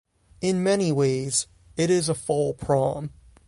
In many ways, it is a fall prom.